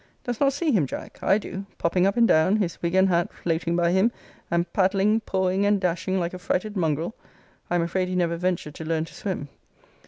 Dost not see him, Jack? I do popping up and down, his wig and hat floating by him; and paddling, pawing, and dashing, like a frighted mongrel I am afraid he never ventured to learn to swim.